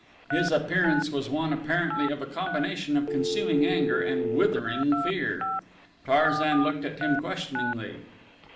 His appearance was one apparently of a combination of consuming anger and withering fear. Tarzan looked at him questioningly.